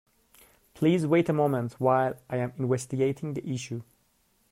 Please wait a moment while I am investigating the issue.